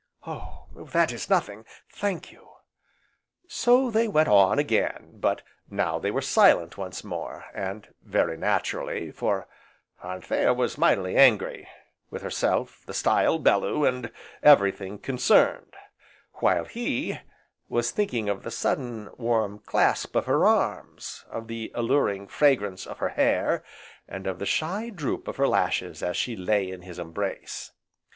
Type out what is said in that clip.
"Oh, that is nothing, thank you!" So they went on again, but now they were silent once more, and very naturally, for Anthea was mightily angry, with herself, the stile, Bellew, and everything concerned; while he was thinking of the sudden, warm clasp of her arms, of the alluring fragrance of her hair, and of the shy droop of her lashes as she lay in his embrace.